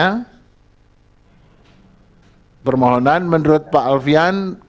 karena permohonan menurut pak alfian